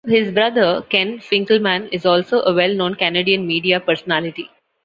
His brother, Ken Finkleman, is also a well-known Canadian media personality.